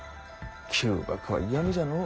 旧幕は嫌みじゃのう！